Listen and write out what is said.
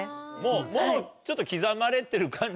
もうちょっと刻まれてる感じ。